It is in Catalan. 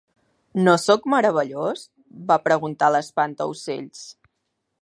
No sóc meravellós? va preguntar l'Espantaocells.